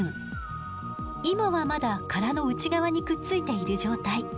今はまだ殻の内側にくっついている状態。